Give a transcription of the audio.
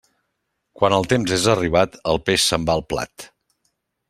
Quan el temps és arribat, el peix se'n va al plat.